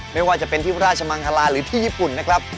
ไม่ว่าจะเป็นที่ราชมังคลาหรือที่ญี่ปุ่นนะครับ